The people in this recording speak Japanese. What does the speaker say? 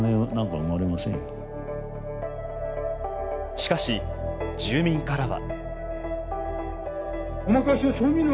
しかし、住民からは。